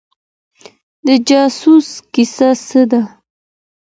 د جاسوس کيسه څه ده؟